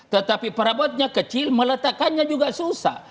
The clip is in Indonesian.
tetapi perabotnya kecil meletakkannya juga susah